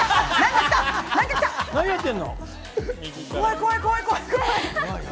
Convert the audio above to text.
怖い怖い怖い。